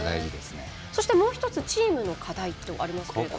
そして、もう１つチームの課題とありますけど。